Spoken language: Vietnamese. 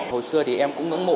hồi xưa thì em cũng ngưỡng mộ